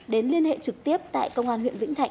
đến liên hệ trực tiếp tại công an huyện vĩnh thạnh